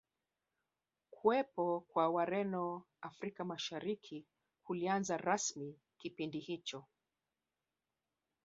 Kuwepo kwa Wareno Afrika Mashariki kulianza rasmi kipindi hicho